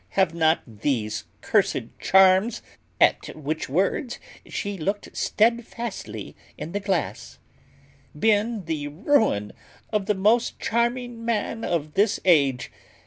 Have not these cursed charms (at which words she looked steadfastly in the glass) been the ruin of the most charming man of this age?